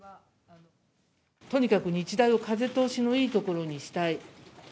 とにかく日大を風通しのいいところにしたい。